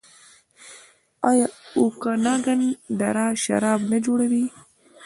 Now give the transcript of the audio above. آیا اوکاناګن دره شراب نه جوړوي؟